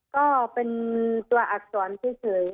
ก็เป็นตัวอักษรเฉย